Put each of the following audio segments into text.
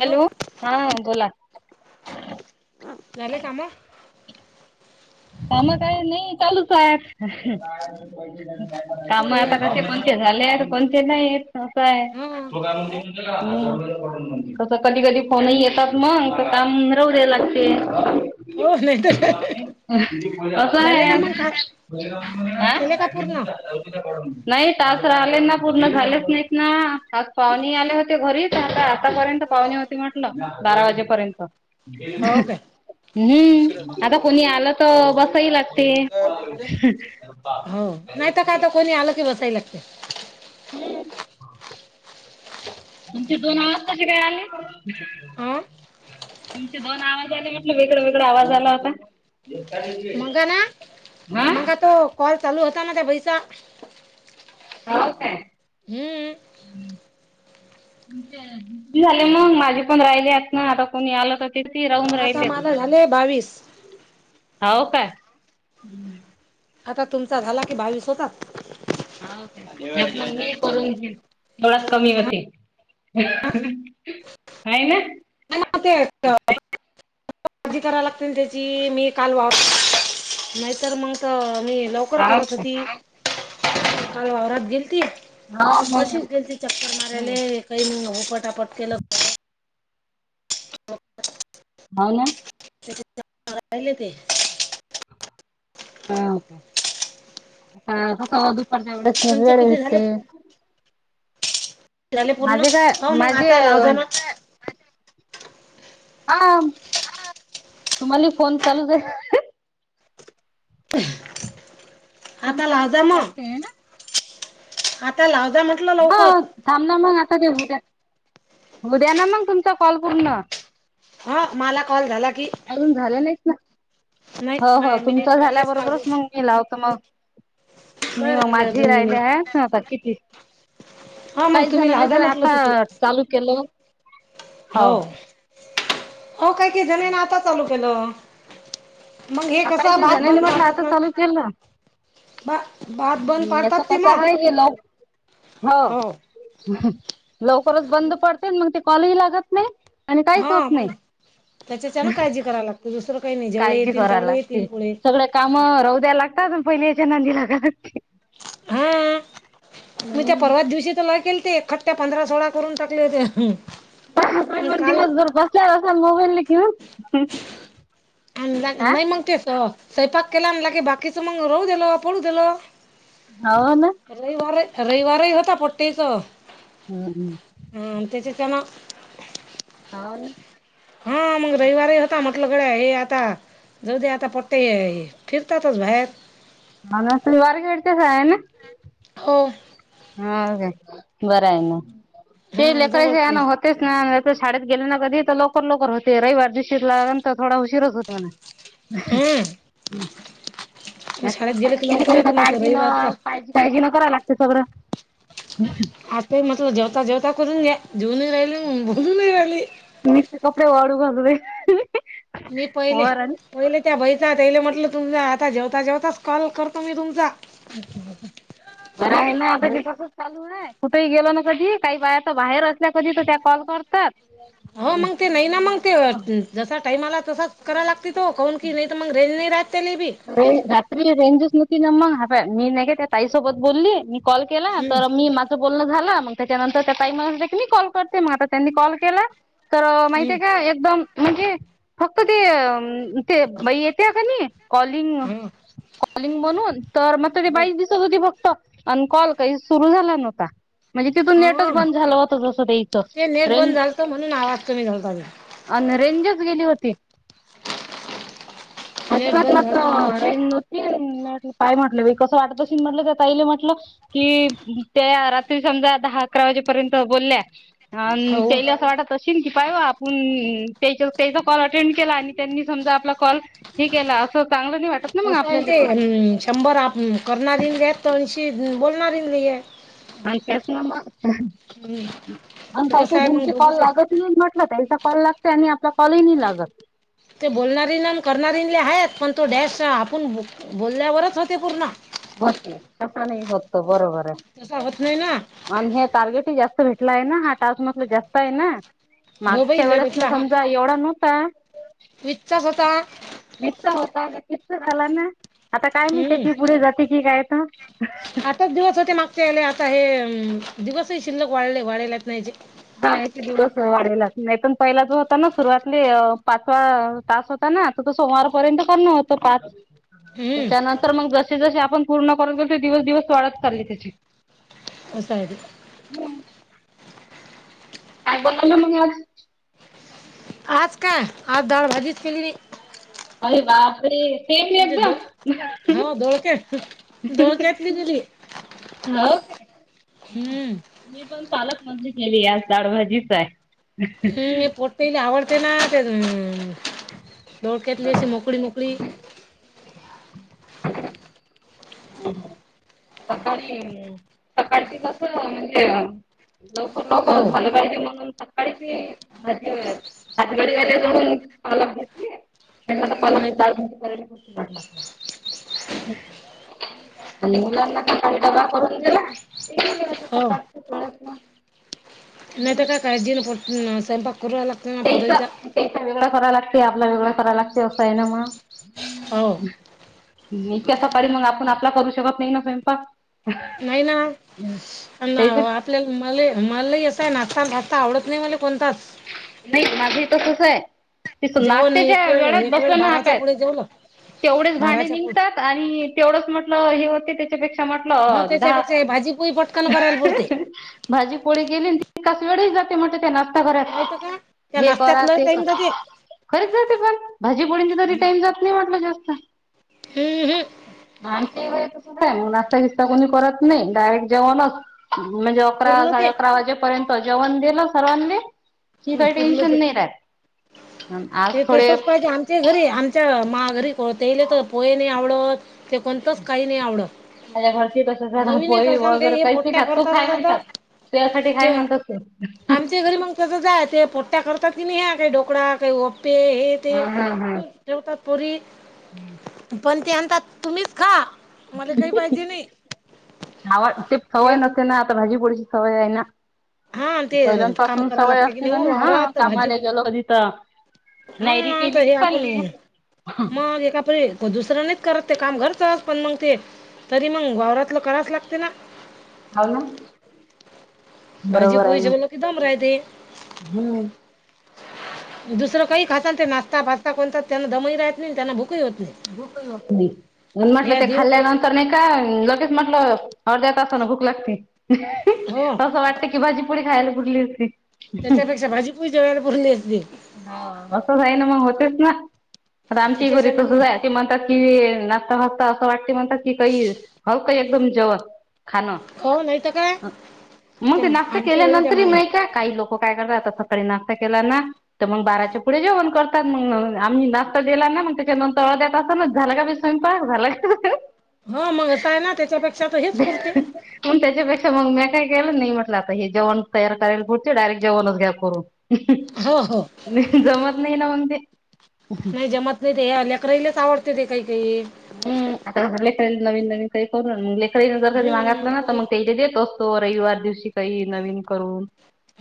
Hello हा बोला. झाले काम? काम काय नाही चालूच आहेत. हो काम हे आता कसे कोणते झाले कोणते नाही. आहे ह तू काऊन जा का. कसं कधी कधी फोनही येतात मग काम राहू देईल लागते. हो नाही तर काय. असं आहे हा. केले का पूर्ण नाही तास राहिले ना पूर्ण झालेच नाहीत ना आज पाहुणे आले होते घरी. आता आतापर्यंत पाहुणी होती म्हटलं बारा वाजेपर्यंत. हो काय हम्म आता कोणी आला. हो नाही तर काय. कोणी आल बसाय लागते. हम्म तुमचे दोन आवाज कसे वेळ आले. हा तुमचे दोन आवाज आले म्हटलं वेगळं वेगळळा आवाज आला होता. जो का. मंगा ना मंगा तो कॉल चालू होता ना त्या बाई चा. हो काय. हम् हम्म झाले मग माझे पण राहिले आहेत ना आता कोणी आलं तर तिती राहून आता राहिले माझा झाले बावीस होव का आता तुमचा झाला की बावीस होतात हो का मग मी करून घेन थोडा कमी मग होते का ना ते अस काळजी करा लागतील त्याची मी काल वा नाहीतर मग मी ल लकर हाव करत काय होती काल वावरात गेल त हाव मग कशीच गेल त चक्कर हम्म मारायले काही मग होपटापट केलं हा ना राहिले ते ह कास दुपच्या वस म तुमचे वेळ किती झाले भेटते झाले पूर्ण माझे काय हो मग माझे आता लाव अ जा ना आ तुम्हाला फोन चालूच आहे प कोण चालूसाहे वाटतेय ना आता लावदा म ह थांब ना मग आता तेद्या उद्या ना मग तुमचा कॉल पूर्ण ह मला कॉल झाला की अजून झाले नाहीच ना नाही हो हो माय तुमच मिनिट राहिलेच ना झाल्याबरोबरच अजून मग म लावत मग मी नाही मग राहिले माझी अजून राहिले मिनिट आहेत ना आता किती हा काही मग तुम्ही जणले लाव जा तर म्हटलं आता तिकडून चालू केलं हो हो काही काय झाण ना आता चालू केलं मग हे कस काही काही भात जणांनी बंद म्हटलं राहात आता ना चालू केलं बा भात बंद याच पाडतात ते कसं मग आहे हे लव हो लवकरच बंद पडते मग ते कॉलेज लागत नाही आणि काहीच होप नाहीत कराय लात दुस काही नाही जेवढे काळजी येतील कराय तेवढे लागते येतील पुढे सगळ काम रौद्या लागतात प पहिली याच्या नांदीला हा मग त्या हम्म परवा दिवशी त ला केेल ते ए पंधरा सोळा करून टाकले ते पण दिवसभर बसल्याला असाल मोबाईल न घिऊन आणि नाही मग तेच स्वपाक केला आणि लागे बाकीच मग रहू दिल पडू दिल होा ना रविवार रविवारही होता पट्टीच हम् हम्म हा त्याच्या त्यांना हा ना हा मग रविवारीही होता म्हटलं गडे हे आता जाऊ दे आता पट्ट फिरतातच बाहेर ह त वार खेळते स आहे ना हो हा का बरं आहे ना ते हां लेकररायचे जवळचे ना होत च ना शाळेत गेले ना कधी तर लवकर लवकर होते रविवार दिशीरला नंतर थोडा उशीरच होते म्हणा हं हम् नाही शाळेत मग गेले शाळ की लवकर गेलीरी येते मग ते काळजी न रविवारचा काजी काळजी न करावला लागते सगळं ह आता म्हटलं जेवता जेवता करून घ्या जेऊनही राहिले बोलून राहिली मस् कपडडे वडू खत ते मी पहिले पहिले त्या भाैचा त्याले म्हटलं तुमचा आता जेवता जेवताच कॉल करतो मी तुमचा ब आहे ना आता त तस चालू आहे कुठे गेो ना कधी काही बायाता बाहेर असल्या कधी तर त्या कॉल कर हो मग ते नाही ना मग ते जसा टाईम आला तसाच कराय लागती तो कान की नाही तर मग रेज नाही राहत त्या ल बी े रात्री रेंजच नव्हती ना मग हव्या मी नाही काे त्या ताईसोबत बोलली मी कॉल केला हम्म तर मी बोलण झाला मग त्याच्यानंतर त्या ताईम मी कॉल करते मग आता त्यांनी कॉल केला तर माहिितये का एकदम म्हणजे फक्त ते अ ते येते का नाही कॉलिंग हम्म कॉलिंग म्हणून तर मग त ते हो बाईस दिवसात होती फक्त आणि कॉल काही सुरू झाला नव्हता म्हणजे तिथून नेटच हा बंद झालं होत असं ते तेचं नेट बंद रेंज झालत म्हणून आवाज कमी झालता आणि रेंजच गेली होती नेट बंद असता ना नव्हतीट काय म्हटलं कसं वाटत अस म्हटलं त्या ताईले म्हटलं कि त्या रात्री समजा दहा अकरा वाजेपर्यंत बोलल्या अा हो केल असं वाटत तशील की पाय वा आपण त्या त्याचा कॉल अटेंड केला आणि त्यांनी समजा आपला कॉल ठीक आहे असं चांगलं नाही वाटत ना मग असं आपल्याला ते पण शंभर आप करणार इंग आहेत तर ऐंशी बोलणार इंगलीय आय त्यासन मगं आणि ते काय कसं काय आहे मग जणचे कॉल दोघीच लागत [unintelligible] म्हटल त्याचा कॉल लागतोय आणि आपला कॉलही नाही लागत. ते बोलणारीना करणारीले आहेत. पण तो डॅश आपण ब बोलल्यावरच होते पूर्ण. बशी, कसा नाही होतो. बरोबर. आहे तसा होत नाही ना. आणि हे टार्गेट ह जास्त भेटला आहे ना. हा टास मधलं जास्त आहे ना. हो बाई मागच्या लय वेळेस भेटला समजा एवढा नव्हता. विच्छसता. [unintelligible] होता [unintelligible] झाला ना. आता काय मी हम्म त्याची पुढे जाते की काय तर. आताच दिवस होते मागचे याले आता हे दिवसही शिल्लक वाढले वाढलाच नाही - - हा. एक दिवस वाढलाच नाहीतण पहिला जो होता ना सुरुवाती पाचवा तास होता - - ना आ तो सोमवारपर्यंत करणं होतं पाच. हम्म त्याच्यानंतर मग जसे जसे आपण पूर्ण करून गेल ते दिवस दिवस वाढत चालली त्याची. असं हाय ते. हम्म. काय बोल [unintelligible] मी आज. आज काय? आज डाळ भाजीच केली नाही. अरे बापरे! म्हणजे दो हो [unintelligible] दोळके दोळक्यातली दिली होऊ. हम्म मी पण पालक भजी केलीयं. आज डाळ भाजीच हाय. हम्म. हे पोटिला आवडतेना. डोक्यातलीशी मोकळी मोकळी सकाळी, सकाळचीच असलं म्हणजे अ लवकर हो लवकरच झालं पाहिजे म्हणून- - सकाळी ती भाजी [unintelligible] जाऊ घेतली. म्हटलं आता पालक नाहीतर दाल भाजी [unintelligible] आणि मुलांना सकाळी डबा करून दिला? हो नाही हम्म. तर काय काळजी स्वयंपाक करू लागतना पोरीचा. एक वेगळा कराय लागते. आपला वेगळां कराय लागते. असं आहे ना मग. हो इतक्या सकाळी मग आपण आपला करू शकत नाही ना स्वयंपाक. नाही ना. [unintelligible] त्याच आपल्याला मला मलाही असंय नाश्ता फास्ता आवडत नाही मला कोणताच. नाही. माझं तसच हाय. तसं जेवण एक नाशत्याच्या वेळ वेळात एक वेळ बसना बाराच्या हातयत पुढे जेवलं तेवढेच भांडे बाराच्या पुढे निघतात. आणि तेवढंच म्हटलं हे होते ते पेक्षा हां म्हटलं दहा त्याच्यापेक्षा हे भाजी पोळी पटकन करायला पुरते भाजी पोळी गेलीस तितकाच वेळ जाते म्हटले तेलाचं. नाहीतर काय. त्या हेे नाश्त्यात करा लय ते क. टाईम जाते खरच जे पण भाजी पोळीं तरी टाइम जात - - [unintelligible] म्हटलं जास्त [unintelligible] हं, हं. [unintelligible] नाशता बिस्ता कोणी करत नाही. डायरेक्ट जेवनचं म्हणजे अकरा पुरलं साडे ते अकरा वाजे - - पर्यत जेवण दिलं सर्वांनी की काही पुरलं टेन्शन ते नाही राहत. अन आज ते थोडे तसच पाहिजे. आमच्या घरी आमच्या मा घरी कोतेले तर पोहे नाही आवडत. ते कोणतंच काही नाही आवडत. माझ्या घरची तसचं हाई नवीनही पोई करसान वगैरे काही हे काहिच नाहि पोट्ट्या खात तू करतात खाय आता तर म्हणतात. तू यासाठी हाय म्हणतात ते. त्या जाय ते पोट्ट्या करतात ति नाही ह्या काही डोकळा काही अप्पे हे ते हम्म हम्म हम्म ठेवतात पोरी पण ते म्हणतात तुम्हीच खा. मला काही पाहिजे [unintelligible] नाही ते सवय नसते ना आता भाजीपोडीची सवय हेना. हां, ते काम करायला लागते कणी असते का ओ नाही हा वावरात भाजी. कामाला गेलो कधी तर हा, नायरी केली तहे की आपूण चालली. मग एकाप दुसरं नाही, करत ते काम घरचं पण मग ते, तरी मग वावरातलं करावच लागते ना. हौव ना, भाजी बरोबर आहे पोली ना जेवल की दम राहिती. हम्म. दुसरं काही खात ते नाश्ता फजस्ता कोणता ते, त्यांना दमई राहत नाही त्यांना भूकही होत नाही. भूकही होत नाही म्हटलं, ह्या ते दीड खाल्ल्यानंतर पोळी तर नाही का लगेच म्हंटलं, अर्ध्या तासान भूक लागती. हो. तसं वाटत की, भाजीपोडी खायला बुरली असती. त्याच्यापेक्षा भाजी पोली जेवायला पुरली असती. हा असं जाई ना मग होतेच ना, आता आमची घरी त्याच्याच्यानं मग तसंच आहे म्हणतात की नाचता फचता असं वाटते म्हणतात, की काही हव काही एकदम जेवा. खाण, खाऊ नाही तर काय मग ते नाश्ता आमच्या घरी त्या केल्यानंतरही मा नाही का काही लोकं. हो काय करता आता सकाळी नाश्ता केला ना, तर मग बाराच्या पुढे जेवण करतात. मग आम्ही नाश्ता दिला ना मग, जेवन कवा देतासा मग, झालं का बी स्वयंपाक झालं का, ह मग असं आहे ना, त्यांच्यापे [unintelligible] पण त्यांच्यापेक्षा मग मी काही केलं नाही म्हटलं, आता हे जेवन तयार करायला पुरते डायरेक्ट जेवणचं घ्या करून. हो हो नाही जमत, नाही ना मग ते नाही जमत नाही ते हे, लेकरेल आवडते ते काही काही. हम.. आता लेकरेल नवीन नवीन काही करून, लेकरेल जर घरी हम्म मागातलं ना तर पोळी मग ते देतो. तो रविवार दिवशी काही नवीन करून.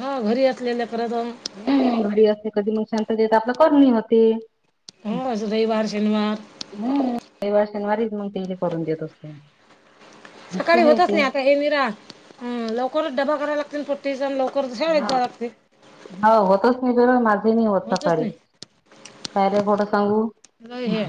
हो. घरी असलेल्या प्रथम. घरी असते कधी मग, शांतेत आपलं करणी होते. मच रविवार, शनिवार. हम रविवार शनिवारीच मग तेले करून देत असतो. मस्त सकाळी आहे होतच ते नाही आता, हे मीरा लवकरच डबा करायला लागतो [unintelligible] ती जण लवकर शाळेत जाव लागते. हो, होतच नाही खरं, माझे ही होत नाही सकाळी. काय ले खोट सांगू, लय हे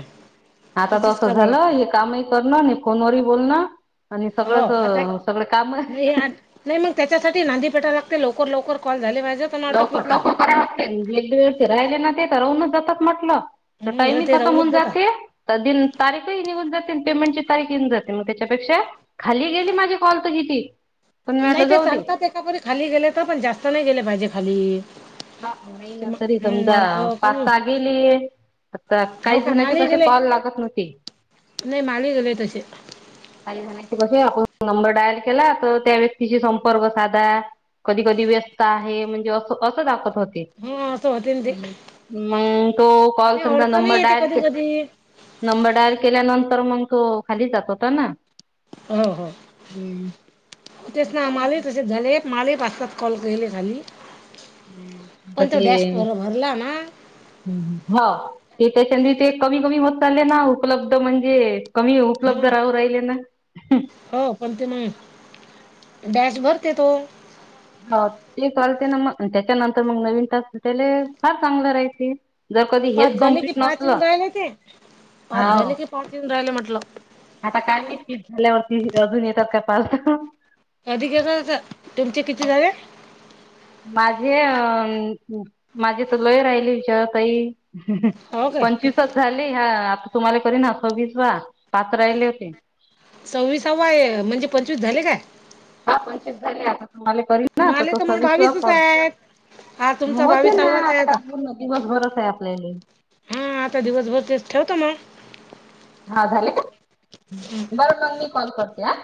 आता तर काळजीच असं करायला झालं लागते हे, काम ही, करण आणि फोनवरही बोलणं, आणि हो सगळंच आता सगळं काम. नाही आ नाही मग त्याच्यासाठी नांदीपेठाव लागते लवकर, लवकर कॉल झाले पाहिजेत. लवकर, लवकर कराव लागते, एक वेळ ते राहिले ना ते तर राहूनच जातात म्हटलं. तर टाईम मग ही ते खतम राहूनच होऊन जाते. जातात तर दिन तारीख ये निऊन जाते, पेमेंटची तारीख येऊन जाते, मग त्यांच्यापेक्षा खाली गेली माझी कॉल तर किती. पण मी नाही म्हटलं ते जाऊ दे चालतात एकापरी खाली गेले तर, पण जास्त नाही गेले पाहिजे खाली. नाही ते ना, तरी मग समजा मार्क कमी पाचसहा गेली. आता हो काही का जणाचे माले कसे गेले कॉल लागत नव्हती. नाही माले गेलेय तसे, काही झायचे कसं अ नंबर डायल केला, तर त्या व्यक्तीशी संपर्क साधा. कधी, कधी व्यस्त आहे म्हणजे असं, असं दाखत होते. हा असं होते ना ते मंग, तो कॉल नाही समजा अडचणही नंबर येते डायल कधी केला. कधी नंबर डायल केल्यानंतर मग, तो खाली जात होता ना. हो, हो, तेच ना मालेही तसेच. झाले माले पाच सात कॉल गेले खाली. हम्म, पण [unintelligible] तो ते डॅश भर भरला ना हो, ते त्याच्यांदी ते कमी, कमी होत चाले ना, उपलब्ध म्हणजेऽ कमी हा उपलब्ध राहू राहिले ना.. हो पण ते मग, बॅस भरते तोऽ हो, ते चालते ना मग, त्याच्यानंतर मग नवीन तास त्याले फार चांगलं राहायचे. जर कधी पाच हेच झाले की कम्प्लीट पाच नसलं,, हावऽ न राहिले म्हटलंऽ आता काय निकी झाल्यावरती अजून येतात का पाचसहा ऽ अधी आहे का,, तुमचे किती झाले? माझे अ, माझी तर लय राहिली विचार ताईऽ हो काय पंचवीसच झाली हा,, आता तुम्हाला करी ना सव्वीस वा,, पाच राहिले होते. सव्वीसावा आहे, म्हणजे पंचवीस झाले काय? हा पंचित झाले आता तुम्हालाऽ करी ना आता माले तो तर मग सविस् वा बावीसच कॉल,, आहेत हा तुमचा होतील ना बावीसावाच आहे आता काऽ दिवसभरस आहे आपल्यालेऽ हा,, आता दिवसभर तेच ठेवतो मग. हा झाले काय? बर मग मी कॉल करते ह,,